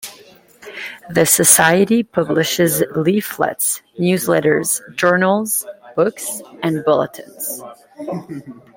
The Society publishes leaflets, newsletters, journals, books and bulletins.